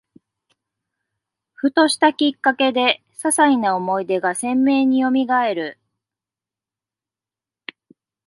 ふとしたきっかけで、ささいな思い出が鮮明によみがえる